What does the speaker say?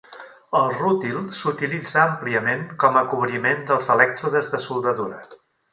El rútil s'utilitza àmpliament com a cobriment dels elèctrodes de soldadura.